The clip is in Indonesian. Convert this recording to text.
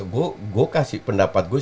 gue kasih pendapat gue